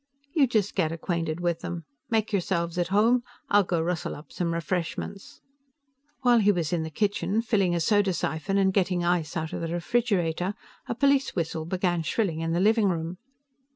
"You just get acquainted with them. Make yourselves at home; I'll go rustle up some refreshments." While he was in the kitchen, filling a soda siphon and getting ice out of the refrigerator, a police whistle began shrilling in the living room.